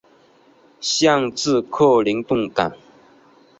县治克林顿港。